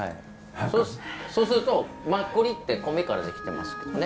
そうするとマッコリって米から出来てますけどね